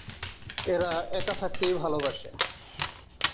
এরা একা থাকতেই ভালবাসে।